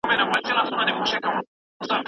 تاریخ باید له سیاست سره ګډ نه سي.